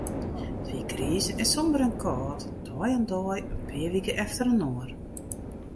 It wie griis en somber en kâld, dei oan dei, in pear wike efterinoar.